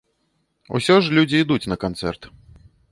Усё ж людзі ідуць на канцэрт.